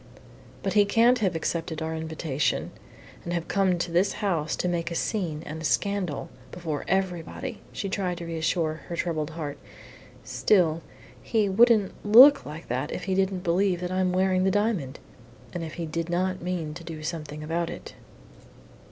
"But he can't have accepted our invitation, and have come to this house to make a scene and a scandal before everybody," she tried to reassure her troubled heart. "Still, he wouldn't look like that if he didn't believe that I'm wearing the diamond, and if he did not mean to do something about it."